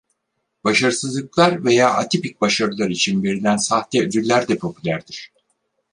Başarısızlıklar veya atipik başarılar için verilen sahte ödüller de popülerdir.